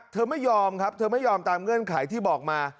เธอไม่ยอมครับเธอไม่ยอมตามเงื่อนไขที่บอกมา